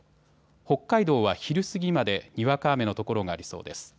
北海道は昼過ぎまで、にわか雨のところがありそうです。